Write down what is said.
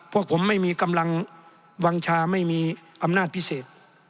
พวกผมไม่มีกำลังวางชาไม่มีอำนาจพิเศษ